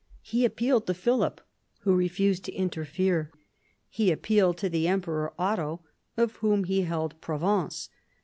He appealed to Philip, who refused to interfere. He appealed to the Emperor Otto, of whom he held Provence.